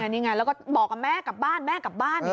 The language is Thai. นี่ไงแล้วก็บอกกับแม่กลับบ้านแม่กลับบ้าน